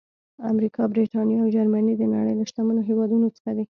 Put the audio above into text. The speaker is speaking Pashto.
امریکا، برېټانیا او جرمني د نړۍ له شتمنو هېوادونو څخه دي.